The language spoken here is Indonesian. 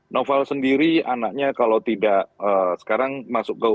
naufal sendiri anaknya kalau tidak sekarang masuk ke ui